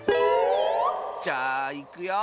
じゃあいくよ！